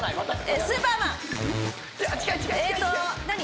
何？